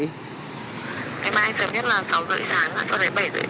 ngày mai sớm nhất là sáu h ba mươi sáng